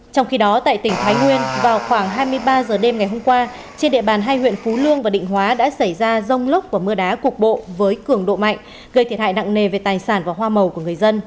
trong khi đó tại tỉnh thái nguyên vào khoảng hai mươi ba h đêm ngày hôm qua trên địa bàn hai huyện phú lương và định hóa đã xảy ra rông lốc và mưa đá cục bộ với cường độ mạnh gây thiệt hại nặng nề về tài sản và hoa màu của người dân